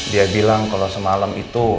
dia bilang kalau semalam itu